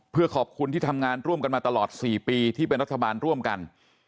เพื่อขอบคุณที่ทำงานร่วมกันมาตลอด๔ปีที่เป็นรัฐบาลร่วมกัน